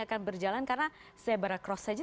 akan berjalan karena sebara cross saja